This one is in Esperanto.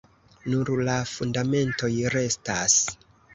Nur la fundamentoj restas.